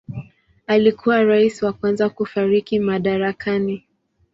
Alikuwa rais wa kwanza kufariki madarakani.